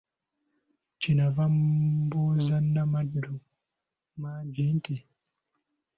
Kye nava mbuuza n'amaddu mangi nti,